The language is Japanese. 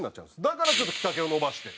だからちょっと着丈を伸ばして。